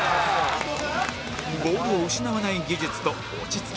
ボールを失わない技術と落ち着き